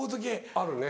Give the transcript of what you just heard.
あるね